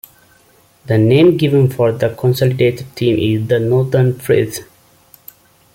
The name given for the consolidated team is the Northern Freeze.